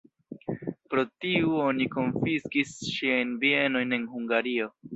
Pro tiu oni konfiskis ŝiajn bienojn en Hungario.